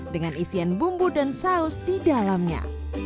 dengan isian bumbu dan saus di dalamnya